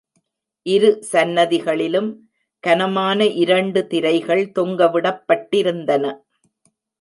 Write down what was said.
இரு சன்னதிகளிலும் கனமான இரண்டு திரைகள் தொங்கவிடப்பட்டிருந்தன.